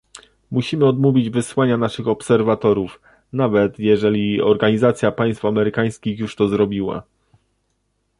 Musimy odmówić wysłania naszych obserwatorów, nawet jeżeli Organizacja Państw Amerykańskich już to zrobiła